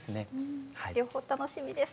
両方楽しみです。